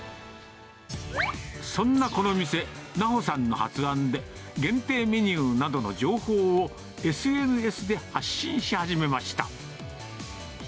そんなこの店、奈穂さんの発案で、限定メニューなどの情報をＳＮＳで発信し始めました。